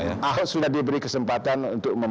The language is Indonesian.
ahok sudah diberi kesempatan untuk